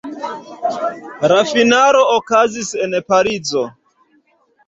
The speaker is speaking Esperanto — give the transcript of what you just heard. La finalo okazis en Parizo.